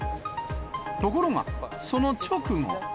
ところが、その直後。